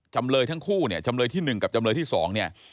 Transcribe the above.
จำเลยทั้งคู่เนี่ยจำเลยที่๑กับจำเลยที่๒เนี่ย